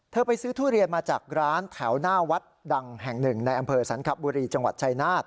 ไปซื้อทุเรียนมาจากร้านแถวหน้าวัดดังแห่งหนึ่งในอำเภอสันคบุรีจังหวัดชายนาฏ